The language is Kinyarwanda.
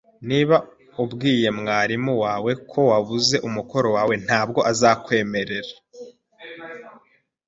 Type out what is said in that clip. Niba ubwiye mwarimu wawe ko wabuze umukoro wawe, ntabwo azakwemera